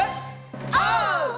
オー！